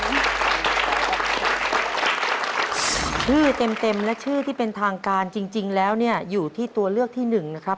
ชื่อเต็มและชื่อที่เป็นทางการจริงแล้วเนี่ยอยู่ที่ตัวเลือกที่หนึ่งนะครับ